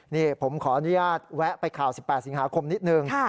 นี่ผมขออนุญาตแวะไปข่าว๑๘สิงหาคมนิดนึง